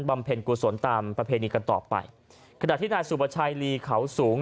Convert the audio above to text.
เพ็ญกุศลตามประเพณีกันต่อไปขณะที่นายสุประชัยลีเขาสูง